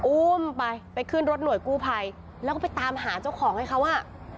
อุ้มไปไปขึ้นรถหน่วยกู้ภัยแล้วก็ไปตามหาเจ้าของให้เขาอ่ะ